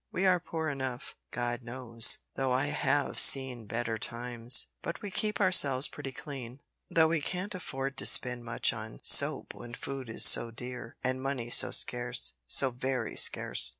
"We are poor enough, God knows, though I have seen better times, but we keep ourselves pretty clean, though we can't afford to spend much on soap when food is so dear, and money so scarce so very scarce!"